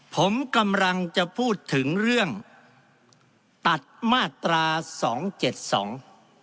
ผมกำลังจะพูดถึงเรื่องตัดมาตราสองเจ็ดสอง